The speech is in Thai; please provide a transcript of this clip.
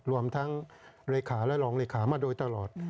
รวมทั้งเลขาและรองเลขามาโดยตลอด